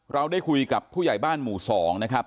เราได้คุยกับผู้ใหญ่บ้านหมู่๒นะครับ